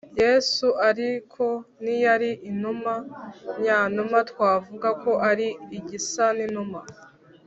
Yesu ariko ntiyari inuma nyanuma twavuga ko ari igisa n inuma